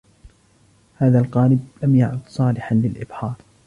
هذا القارب لم يعد صالحاً للإبحار.